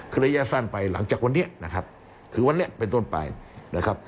คือระยะสั้นไปหลังจากวันนี้นะครับถึงวันนี้เป็นต้นไปนะครับ